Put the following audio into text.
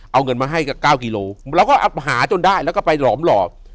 เอาเงินมาให้กับ๙กิโลเราก็หาจนได้แล้วก็ไปหลอมหลอบ